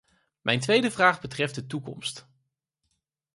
Mijn tweede vraag betreft de toekomst.